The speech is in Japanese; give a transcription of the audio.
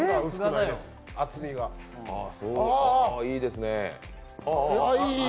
いいですね。